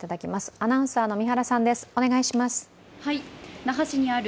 アナウンサーの三原さんです。